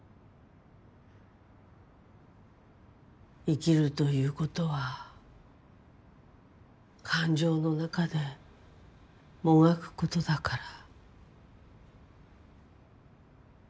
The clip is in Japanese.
生きるということは感情の中でもがくことだから。